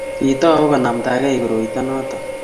kiitou konamda gei koroito noto